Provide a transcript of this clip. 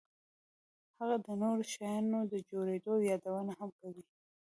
هغه د نورو شیانو د جوړېدو یادونه هم کوي